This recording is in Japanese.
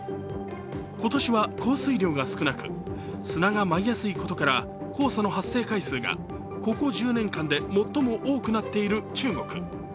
今年は降水量が少なく砂が舞いやすいことから黄砂の発生回数がここ１０年間で最も多くなっている中国。